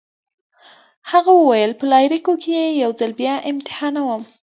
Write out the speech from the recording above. هغه وویل: په لایریکو کي يې یو ځل بیا امتحانوم.